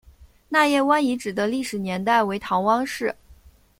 纳业湾遗址的历史年代为唐汪式。